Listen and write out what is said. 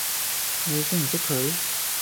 你識唔識佢？